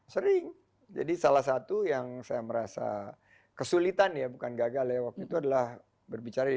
sering jadi salah satu yang saya merasa kesulitan ya bukan gagal ya waktu itu adalah berbicara di